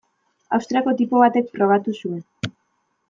Austriako tipo batek frogatu zuen.